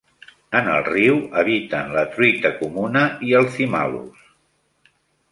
En el riu habiten la truita comuna i el thymallus.